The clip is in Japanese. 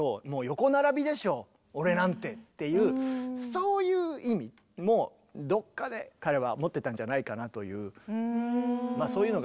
そういう意味もどっかで彼は持ってたんじゃないかなという。